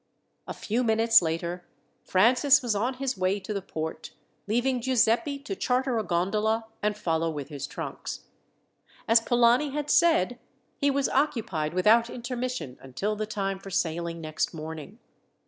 A few minutes later, Francis was on his way to the port, leaving Giuseppi to charter a gondola and follow with his trunks. As Polani had said, he was occupied without intermission until the time for sailing next morning.